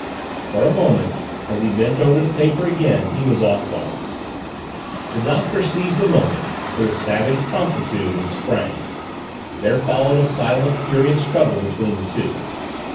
For a moment, as he bent over the paper again, he was off guard. The Doctor seized the moment with a savage promptitude and sprang. There followed a silent, furious struggle between the two.